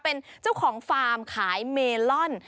เป็นเจ้าของฟาร์มขายเมลอน